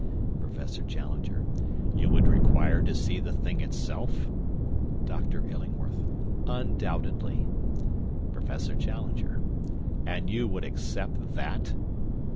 "PROFESSOR CHALLENGER: 'You would require to see the thing itself?' "DR. ILLINGWORTH: 'Undoubtedly.' "PROFESSOR CHALLENGER: 'And you would accept that?'